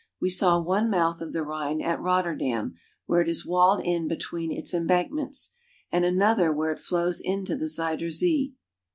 We saw one mouth of the Rhine at Rotterdam, where it is walled in between its embankments, and another where it flows into the Zuider Zee.